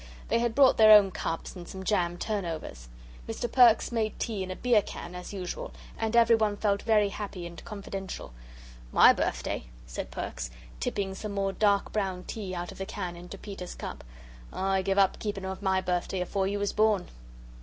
They had brought their own cups and some jam turnovers. Mr. Perks made tea in a beer can, as usual, and everyone felt very happy and confidential. "My birthday?" said Perks, tipping some more dark brown tea out of the can into Peter's cup. "I give up keeping of my birthday afore you was born."